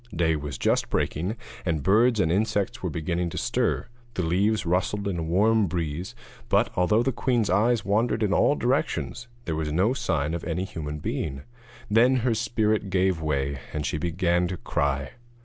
Day was just breaking, and birds and insects were beginning to stir; the leaves rustled in a warm breeze; but, although the queen's eyes wandered in all directions, there was no sign of any human being. Then her spirit gave way, and she began to cry.